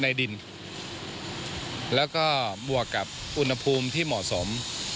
ในดินแล้วก็บวกกับอุณหภูมิที่เหมาะสม